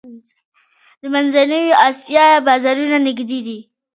د منځنۍ اسیا بازارونه نږدې دي